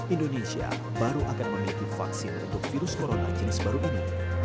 indonesia baru akan memiliki vaksin untuk virus corona jenis baru ini